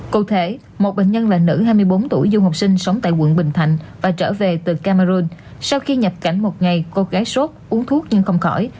cụ thể một bệnh nhân là nữ hai mươi bốn tuổi du học sinh sống tại quận bình thạnh và trở về từ cameroon sau khi nhập cảnh một ngày cô gái sốt uống thuốc nhưng không khỏi